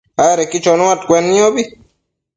adequi chonuaccuenniobi